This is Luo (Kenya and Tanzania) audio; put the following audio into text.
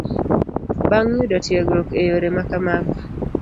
Bang' yudo tiegruok e yore ma kamago